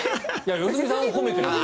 良純さんも褒めてます。